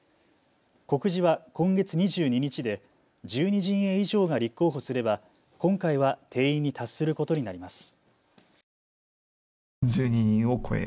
告示は今月２２日で１２陣営以上が立候補すれば今回は定員に達することになります。